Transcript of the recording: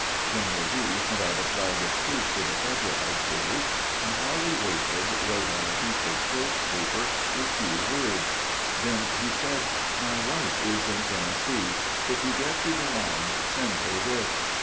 General V. sent out a flag of truce to the Federal headquarters, and while we waited wrote on a piece of silk paper a few words. Then he said, "My wife is in Tennessee. If you get through the lines, send her this.